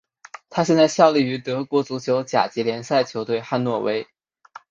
他现在效力于德国足球甲级联赛球队汉诺威。